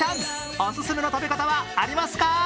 オススメの食べ方はありますか？